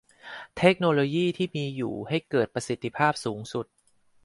เทคโนโลยีที่มีอยู่ให้เกิดประสิทธิภาพสูงสุด